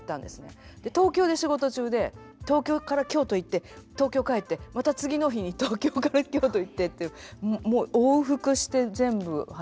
東京で仕事中で東京から京都行って東京帰ってまた次の日に東京から京都行ってっていうもう往復して全部拝見しました。